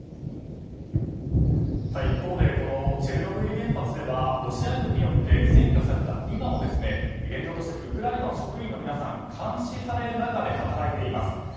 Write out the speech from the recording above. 一方でチェルノブイリ原発ではロシア軍によって占拠された今も現状としてウクライナの職員の皆さん監視される中で働いています。